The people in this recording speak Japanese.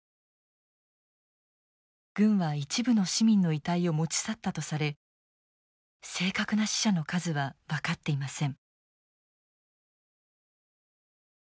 軍は一部の市民の遺体を持ち去ったとされ正確な死者の数は分かっていません。